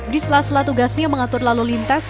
di sela sela tugasnya mengatur lalu lintas